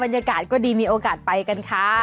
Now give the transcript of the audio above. บรรยากาศก็ดีมีโอกาสไปกันค่ะ